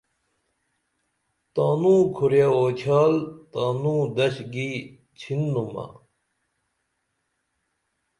تانوں کُھرے اوتھیال تانوں دش گی چھننُمہ